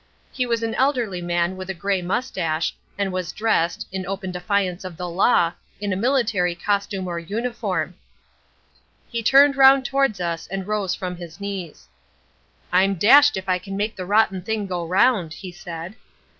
He was an elderly man with a grey moustache, and was dressed, in open defiance of the law, in a military costume or uniform. "He turned round towards us and rose from his knees. "'I'm dashed if I can make the rotten thing go round,' he said.